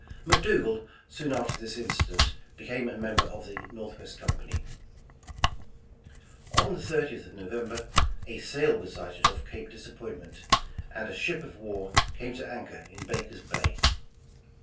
McDougal, soon after this incident, became a member of the Northwest Company. On the 30th of November, a sail was sighted off Cape Disappointment, and a ship of war came to anchor in Baker's bay.